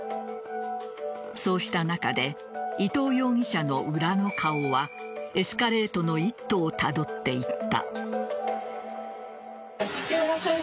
そうした中で伊藤容疑者の裏の顔はエスカレートの一途をたどっていった。